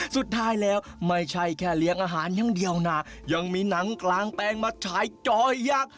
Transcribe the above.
สุดท้ายแล้วไม่ใช่แค่เลี้ยงอาหารอย่างเดียวนะยังมีหนังกลางแปลงมาฉายจอยักษ์